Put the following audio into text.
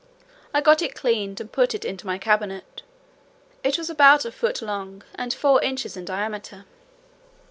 I got it cleaned, and put it into my cabinet. It was about a foot long, and four inches in diameter.